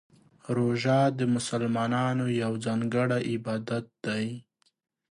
روژه د مسلمانانو یو ځانګړی عبادت دی.